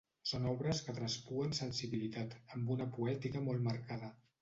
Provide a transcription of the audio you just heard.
Són obres que traspuen sensibilitat, amb una poètica molt marcada.